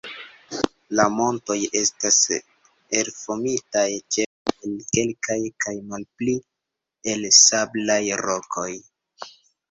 La montoj estas elformitaj ĉefe el kalkaj kaj malpli el sablaj rokoj.